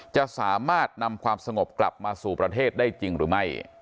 จะสามารถนำความสงบกลับมาสู่ประเทศได้จริงหรือไม่